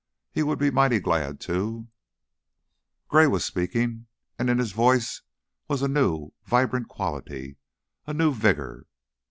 he would be mighty glad, too Gray was speaking, and in his voice was a new, vibrant quality, a new vigor.